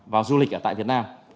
vào du lịch ở tại việt nam